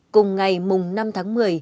cùng ngày mùng năm tháng một mươi